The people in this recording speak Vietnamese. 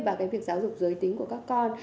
vào cái việc giáo dục giới tính của các con